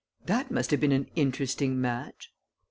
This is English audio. "That must have been an interesting match."